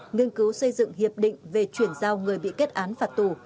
nghiên cứu xây dựng hiệp định về chuyển giao người bị kết án phạt tù